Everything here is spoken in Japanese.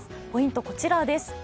ポイント、こちらです。